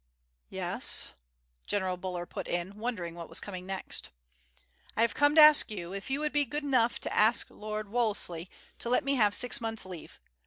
"Yes?" General Buller put in, wondering what was coming next. "I have come to ask you if you would be good enough to ask Lord Wolseley to let me have six months' leave.